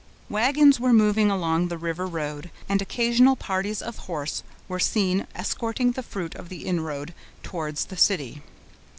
Wagons were moving along the river road, and occasional parties of horse were seen escorting the fruits of the inroad towards the city.